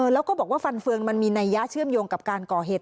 แล้วก็บอกว่าฟันเฟืองมันมีนัยยะเชื่อมโยงกับการก่อเหตุ